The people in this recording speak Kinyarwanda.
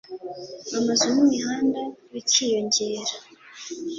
amazu n’imihanda bikiyongera